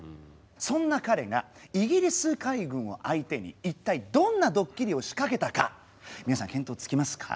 そんな彼がイギリス海軍を相手に一体どんなドッキリを仕掛けたか皆さん見当つきますか？